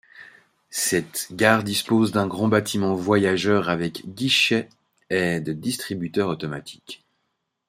Cette gare dispose d'un grand bâtiment voyageurs avec guichets et de distributeurs automatiques.